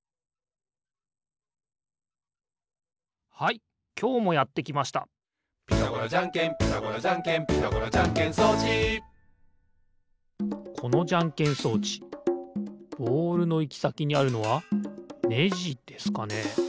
はいきょうもやってきました「ピタゴラじゃんけんピタゴラじゃんけん」「ピタゴラじゃんけん装置」このじゃんけん装置ボールのいきさきにあるのはねじですかね？